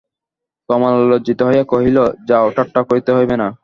কমলা লজ্জিত হইয়া কহিল, যাও, ঠাট্টা করিতে হইবে না।